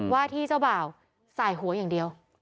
ว่าที่เจ้าบ่าวสายหัวอย่างเดียว